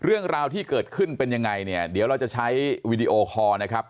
เรื่องราวที่เกิดขึ้นเป็นยังไงเนี่ยเดี๋ยวเราจะใช้วีดีโอคอร์นะครับ